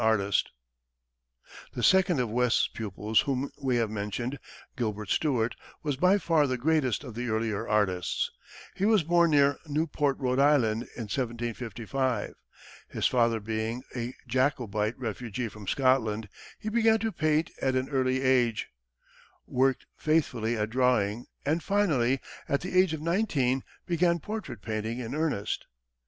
[Illustration: STUART] The second of West's pupils whom we have mentioned, Gilbert Stuart, was by far the greatest of the earlier artists. He was born near Newport, R. I., in 1755, his father being a Jacobite refugee from Scotland. He began to paint at an early age, worked faithfully at drawing, and finally, at the age of nineteen, began portrait painting in earnest.